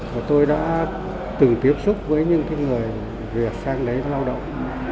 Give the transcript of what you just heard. và tôi đã từng tiếp xúc với những cái người việt sang đấy lao động